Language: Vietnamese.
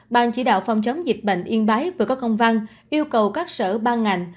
ban chỉ đạo phòng chống dịch bệnh yên bái vừa có công văn yêu cầu các sở ban ngành